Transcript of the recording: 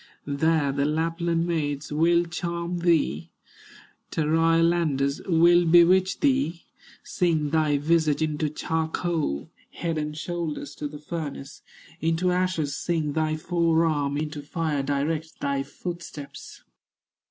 There the Lapland maids will charm thee, Turyalanders will bewitch thee, Sing thy visage into charcoal, Head and shoulders to the furnace, Into ashes sing thy fore arm, Into fire direct thy footsteps."